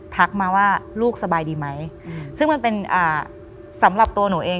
ทักมาว่าลูกสบายดีไหมซึ่งมันเป็นสำหรับตัวหนูเอง